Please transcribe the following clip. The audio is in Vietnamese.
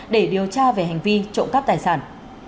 để điều tra về hành vi trộm cắp tài sản